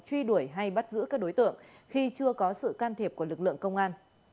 truy đuổi hay bắt giữ các đối tượng khi chưa có sự can thiệp của lực lượng công an